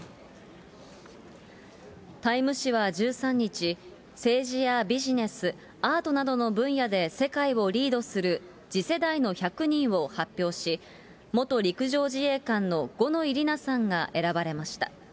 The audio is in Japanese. タイム誌は１３日、政治やビジネス、アートなどの分野で世界をリードする次世代の１００人を発表し、元陸上自衛官の五ノ井里奈さんが選ばれました。